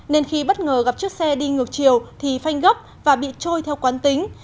nên khi bất ngờ gặp chiếc xe đi ngược chiều thì phanh gấp và bị trôi theo quán tính